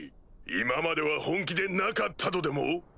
今までは本気でなかったとでも？